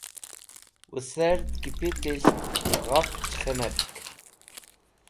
wuserd kipit'esht ghafch khimetk